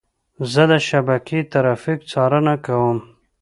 زه د شبکې ترافیک څارنه کوم.